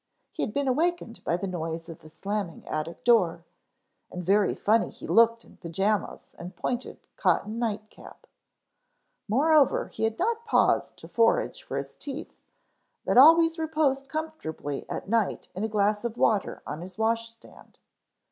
He had been awakened by the noise of the slamming attic door and very funny he looked in pajamas and pointed cotton nightcap. Moreover he had not paused to forage for his teeth, that always reposed comfortably at night in a glass of water on his wash stand.